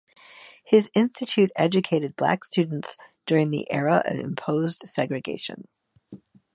His institute educated black students during the era of imposed segregation.